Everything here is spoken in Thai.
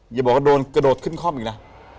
อย่าบอกว่าโดนกระโดดขึ้นคล่อมอีกนะ